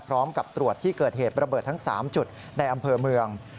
พร้อมกับตรวจที่เกิดเหตุระเบิดทั้ง๓จุดในอำเภอเมือง